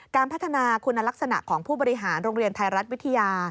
การพัฒนาคุณลักษณะของผู้บริหารโรงเรียนไทยรัฐวิทยา